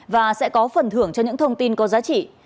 và sẽ có phần thưởng cho những thông tin có giá trị